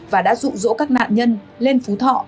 và đã dụ dỗ các nạn nhân lên phú thọ